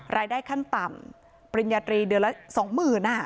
รายได้ขั้นต่ำปริญญาตรีเดือนละสองหมื่นอ่ะ